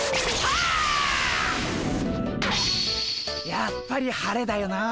やっぱり晴れだよなあ。